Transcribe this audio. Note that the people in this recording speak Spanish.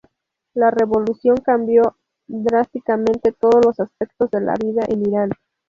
La Revolución cambió drásticamente todos los aspectos de la vida en Irán.